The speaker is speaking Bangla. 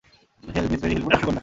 হেল, মিস মেরী হেল পরিবারের কন্যা।